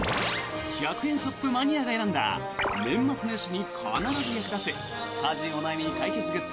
１００円ショップマニアが選んだ年末年始に必ず役立つ家事お悩み解決グッズ